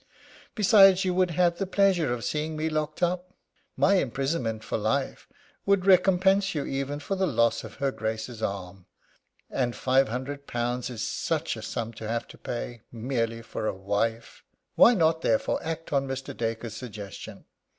Besides, you would have the pleasure of seeing me locked up. My imprisonment for life would recompense you even for the loss of her Grace's arm. And five hundred pounds is such a sum to have to pay merely for a wife! Why not, therefore, act on Mr. Dacre's suggestion?